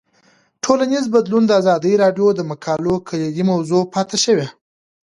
ټولنیز بدلون د ازادي راډیو د مقالو کلیدي موضوع پاتې شوی.